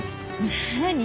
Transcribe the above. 何？